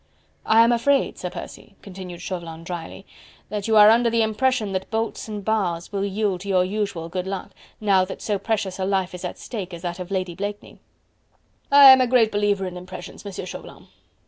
"I am afraid, Sir Percy," continued Chauvelin drily, "that you are under the impression that bolts and bars will yield to your usual good luck, now that so precious a life is at stake as that of Lady Blakeney." "I am a greater believer in impressions, Monsieur Chauvelin."